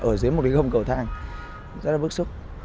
ở dưới một gầm cầu thang rất là bức xúc